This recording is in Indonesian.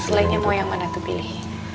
selainnya mau yang mana tuh pilih